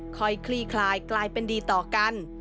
คลี่คลายกลายเป็นดีต่อกัน